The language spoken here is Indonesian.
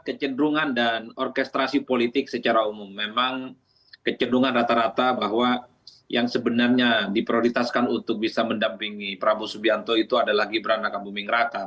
kecenderungan dan orkestrasi politik secara umum memang kecendungan rata rata bahwa yang sebenarnya diprioritaskan untuk bisa mendampingi prabowo subianto itu adalah gibran raka buming raka